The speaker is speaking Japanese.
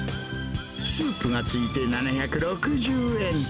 スープが付いて７６０円。